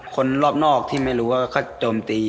คนรอบนอกที่ไม่รู้ว่าเขาโจมตี